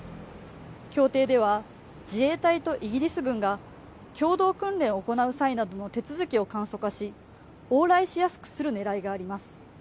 協定では、自衛隊とイギリス軍が共同訓練を行う際などの手続きを簡素化し往来しやすくする狙いがあります。